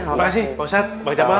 terima kasih bang ustadz bang jaman